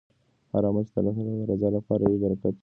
هر عمل چې د الله د رضا لپاره وي برکتي وي.